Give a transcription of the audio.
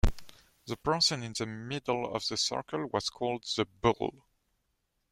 The person in the middle of the circle was called the "bull".